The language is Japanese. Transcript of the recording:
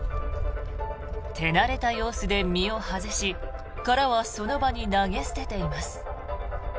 手慣れた様子で身を外し殻はその場に投げ捨てています。